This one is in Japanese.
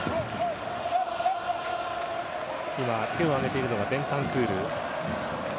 今、手を上げているのがベンタンクール。